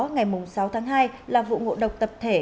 ngày sáu tháng hai là vụ ngộ độc tập thể